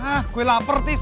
hah gue lapar tis